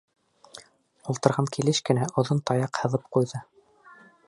Ултырған килеш кенә оҙон таяҡ һыҙып ҡуйҙы.